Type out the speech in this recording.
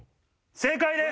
正解です！